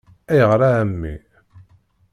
-Ayɣer a Ɛemmi?